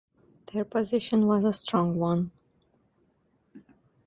Their position was a strong one.